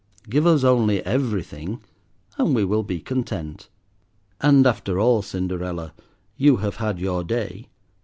Give us only everything, and we will be content. And, after all, Cinderella, you have had your day.